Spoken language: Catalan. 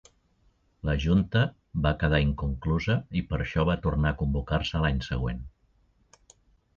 La Junta va quedar inconclusa i per això va tornar a convocar-se l'any següent.